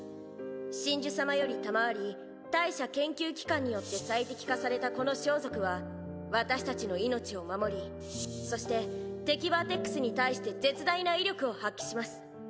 神樹様より賜り大社研究機関によって最適化されたこの装束は私たちの命を守りそして敵バーテックスに対して絶大な威力を発揮します。